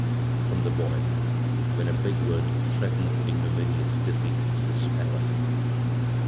from the boy when a big word threatened ignominious defeat to the speller.